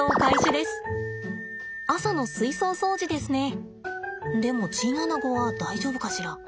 でもチンアナゴは大丈夫かしら？